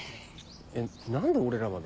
えっ何で俺らまで。